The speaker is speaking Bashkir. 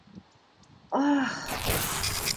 Аһ!..